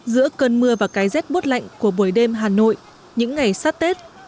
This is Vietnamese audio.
giữa cơn mưa và cái rét bút lạnh của buổi đêm hà nội những ngày sát tết